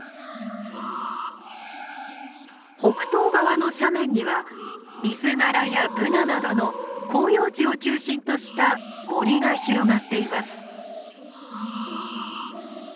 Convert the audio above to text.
北東側の斜面にはミズナラやブナなどの広葉樹を中心とした森が広がっています。